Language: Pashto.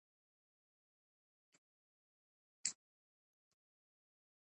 منځلاري لار غوره کړئ.